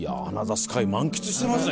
スカイ満喫してますね。